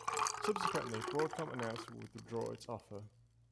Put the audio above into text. Subsequently, Broadcom announced it would withdraw its offer.